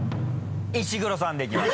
石黒さんでいきます。